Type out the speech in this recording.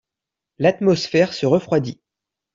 l'atmosphère se refroidit.